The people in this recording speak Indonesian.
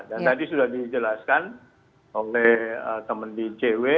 dan tadi sudah dijelaskan oleh teman di cw